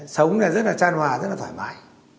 sống rất là tràn hòa rất là thoải mái